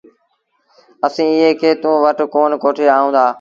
اسيٚݩٚ ايٚئي کي توٚݩ وٽ ڪون ڪوٺي آئو هآ۔